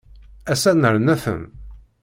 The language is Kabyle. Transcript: Ass-a nerna-ten.